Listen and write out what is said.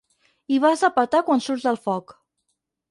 Hi vas a petar quan surts del foc.